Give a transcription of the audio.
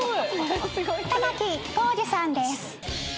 玉置浩二さんです。